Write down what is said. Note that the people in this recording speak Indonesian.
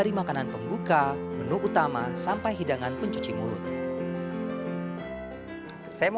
ruang sukarno dikatakan sebagai ruang utama